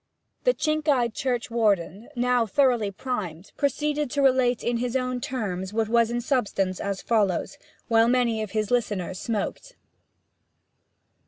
The chink eyed churchwarden, now thoroughly primed, proceeded to relate in his own terms what was in substance as follows, while many of his listeners smoked.